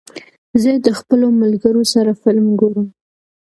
زه د خپلو ملګرو سره فلم ګورم.